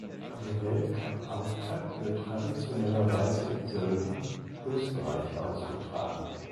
Der Weltcupauftakt wird traditionellerweise in Sölden (Österreich) ausgetragen.